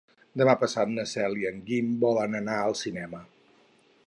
Demà passat na Cel i en Guim volen anar al cinema.